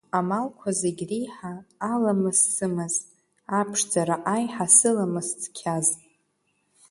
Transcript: Амалқәа зегьреиҳа аламыс сымаз, аԥшӡара аиҳа сыламыс цқьаз.